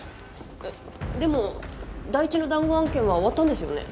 えっでもダイイチの談合案件は終わったんですよね？